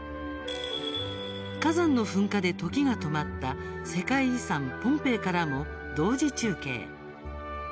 火山の噴火で時が止まった世界遺産ポンペイからも同時中継。